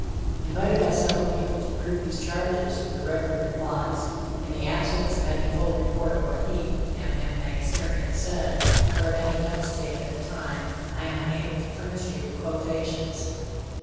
Invited by several people to prove these charges, the Reverend replies: "In the absence of any full report of what he (M. M. Mangasarian) said, or of any notes taken at the time, I am unable to furnish you with quotations."